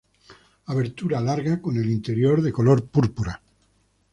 Abertura larga con el interior de color púrpura.